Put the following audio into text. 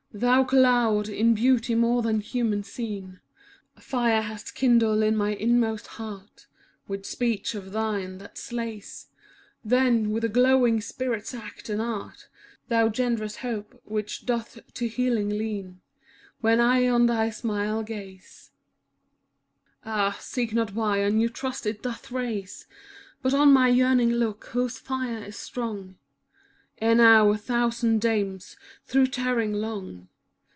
Thou Cloud, in beauty more than human seen, ' A fire hast kindled in my inmost heart. With speech of thine that slays ; Then, with a glowing spirit's act and art. Thou genderest hope, which doth to healing lean. When I on thy smile gaze, ^° Ah, seek not why a new trust it doth raise. But on my yearning look, whose fire is strong; Ere now a thousand dames, through tarrying long.